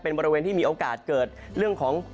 เป็นบริเวณที่มีโอกาสเกิดเรื่องของ